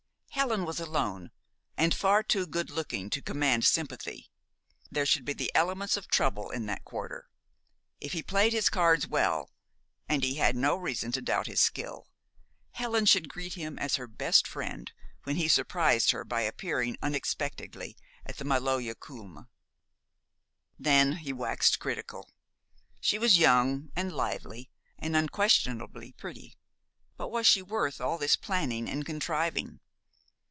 Helen was alone, and far too good looking to command sympathy. There should be the elements of trouble in that quarter. If he played his cards well, and he had no reason to doubt his skill, Helen should greet him as her best friend when he surprised her by appearing unexpectedly at the Maloja Kulm. Then he waxed critical. She was young, and lively, and unquestionably pretty; but was she worth all this planning and contriving?